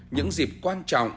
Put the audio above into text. những dịp quan trọng